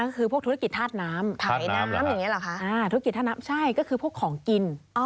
ช่ายน้ำอย่างงี้หรอคะธุรกิจทาสน้ำใช่ก็คือพวกของกิน